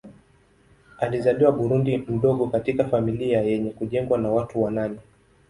Alizaliwa Burundi mdogo katika familia yenye kujengwa na watu wa nane.